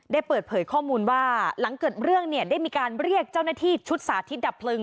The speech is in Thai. ได้เปิดเผยข้อมูลว่าหลังเกิดเรื่องเนี่ยได้มีการเรียกเจ้าหน้าที่ชุดสาธิตดับเพลิง